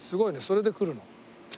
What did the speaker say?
それで来るの？